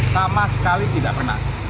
sama sekali tidak pernah